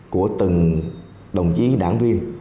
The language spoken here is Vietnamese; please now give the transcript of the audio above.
của từng đồng chí đảng viên